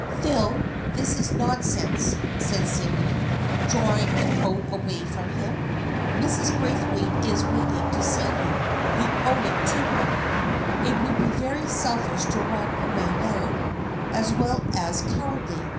" Phil, this is nonsense," said Sydney, drawing the coat away from him. " Mrs. Braithwaite is waiting to see you. You owe it to her. It would be very selfish to run away now, as well as cowardly.